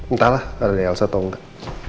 entahlah ada dari elsa atau nggak